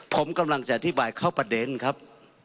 ผมกำลังจะอธิบายเข้าประเด็นครับ